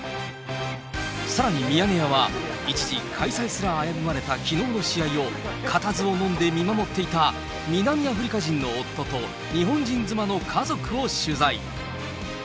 さらにミヤネ屋は、一時、開催すら危ぶまれたきのうの試合を、固唾を飲んで見守っていた南アフリカ人の夫と、あー！